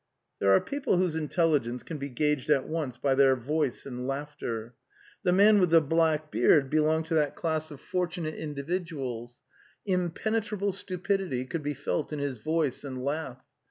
" There are people whose intelligence can be gauged at once by their voice and laughter. The man with the black beard belonged to that class of fortunate The Steppe 21 individuals; impenetrable stupidity could be felt in his voice and laugh.